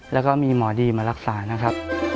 แล้วก็มีหมอดีมารักษา